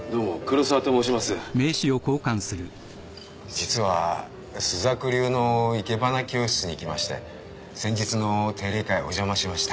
実は朱雀流の生け花教室に行きまして先日の定例会お邪魔しました。